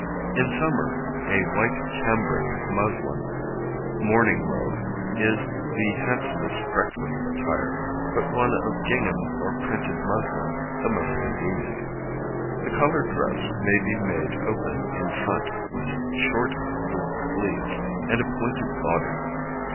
In summer, a white cambric muslin morning robe is the handsomest breakfast attire, but one of gingham or printed muslin the most convenient. The colored dress may be made open in front, with short, loose sleeves, and a pointed body.